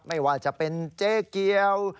ไม่ว่าจะเป็นเจ๊เกียว